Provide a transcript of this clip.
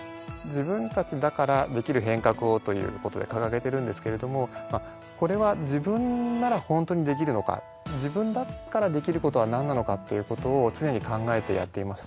自分たちだからできる変革をということで掲げてるんですけれどもこれは自分ならホントにできるのか自分だからできることは何なのかということを常に考えてやっています。